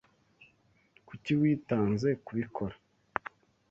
Kuki witanze kubikora?